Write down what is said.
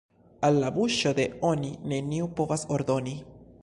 Al la buŝo de "oni" neniu povas ordoni.